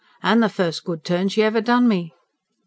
An' the first good turn she ever done me."